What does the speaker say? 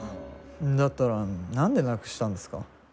だったら何でなくしたんですか？